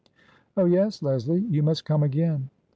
Oh, yes, Leslie! You must come again."